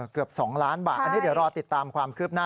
เกือบ๒ล้านบาทอันนี้เดี๋ยวรอติดตามความคืบหน้า